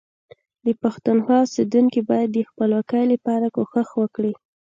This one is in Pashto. د پښتونخوا اوسیدونکي باید د خپلواکۍ لپاره کوښښ وکړي